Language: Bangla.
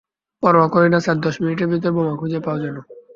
পরোয়া করি না স্যার দশ মিনিটের ভিতর বোমা খুঁজে পাও যেনো?